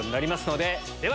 では。